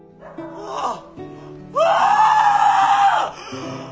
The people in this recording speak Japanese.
ああ！